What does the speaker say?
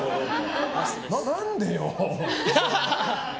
何でよ。